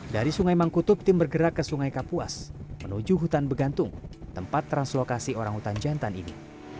dari sungai mangkutup tim bergerak ke sungai kapuas menuju hutan begantung tempat translokasi orang hutan jantan ini